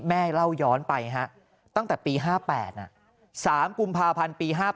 เล่าย้อนไปตั้งแต่ปี๕๘๓กุมภาพันธ์ปี๕๘